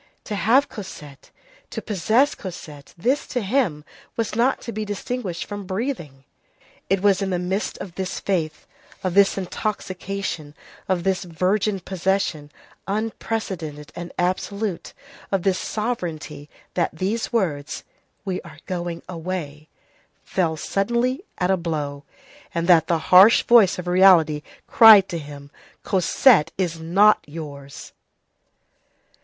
To have Cosette, to possess Cosette, this, to him, was not to be distinguished from breathing. It was in the midst of this faith, of this intoxication, of this virgin possession, unprecedented and absolute, of this sovereignty, that these words: "We are going away," fell suddenly, at a blow, and that the harsh voice of reality cried to him: "Cosette is not yours!"